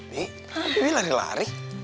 nih tadi dia lari lari